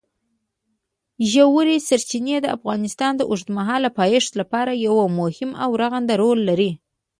ژورې سرچینې د افغانستان د اوږدمهاله پایښت لپاره یو مهم او رغنده رول لري.